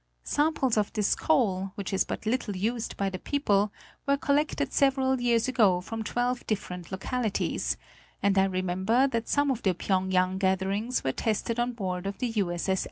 Samples of this coal, which is but little used by the people, were collected several years ago from twelve different localities, and I remember that some of the Phyéng yang gatherings were tested on board the U. 8S. 8S.